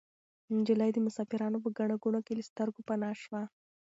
نجلۍ د مسافرانو په ګڼه ګوڼه کې له سترګو پناه شوه.